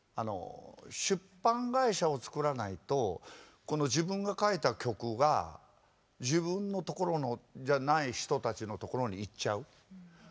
出版会社を作らないとこの自分が書いた曲が自分のところじゃない人たちのところに行っちゃう。